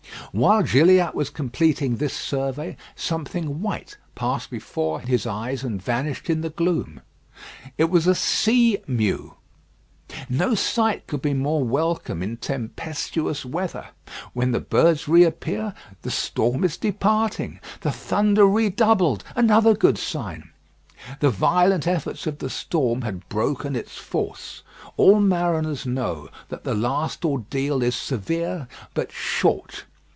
While Gilliatt was completing this survey, something white passed before his eyes and vanished in the gloom. It was a sea mew. No sight could be more welcome in tempestuous weather. When the birds reappear the storm is departing. The thunder redoubled; another good sign. The violent efforts of the storm had broken its force. All mariners know that the last ordeal is severe, but short.